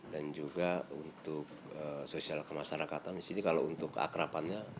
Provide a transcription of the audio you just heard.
dan juga untuk sosial kemasyarakatan di sini kalau untuk akrapannya